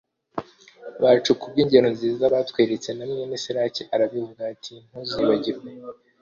bacu ku bw’ingero nziza batweretse. na mwene siraki arabivuga ati :« ntuzibagirwe